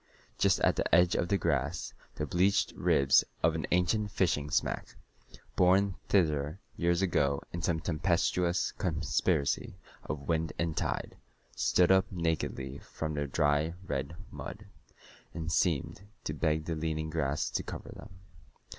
Just at the edge of the grass the bleached ribs of an ancient fishing smack, borne thither years ago in some tempestuous conspiracy of wind and tide, stood up nakedly from the dry red mud, and seemed to beg the leaning grass to cover them.